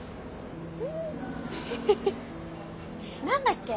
何だっけ？